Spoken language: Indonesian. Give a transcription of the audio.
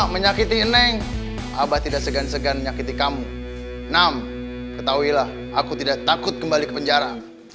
lima menyakiti neng abah tidak segan segan menyakiti kamu enam ketahui lah aku tidak takut kembali ke penjara